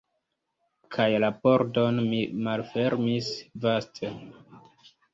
Kaj la pordon mi malfermis vaste.